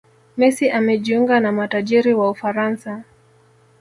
messi amejiunga na matajiri wa ufaransa